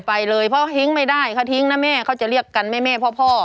ไปเลยเพราะทิ้งไม่ได้เขาทิ้งนะแม่เขาจะเรียกกันแม่พ่อ